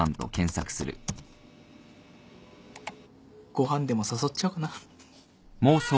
ご飯でも誘っちゃおうかな。